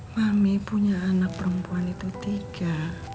kami punya anak perempuan itu tiga